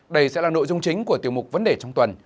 đây sẽ là nội dung chính của tiêu mục vấn đề trong tuần